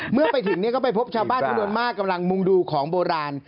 เมื่อไปถึงก็ไปพบชาวบ้านจำนวนมากกำลังมุ่งดูของโบราณ